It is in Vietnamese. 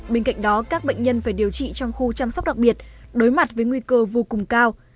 bên cạnh đó các bệnh nhân phải điều trị trong khu chăm sóc đặc biệt đối mặt với nguy cơ vô cùng cao